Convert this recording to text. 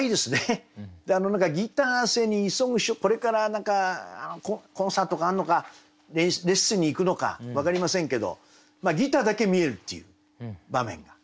これから何かコンサートがあるのかレッスンに行くのか分かりませんけどギターだけ見えるっていう場面が。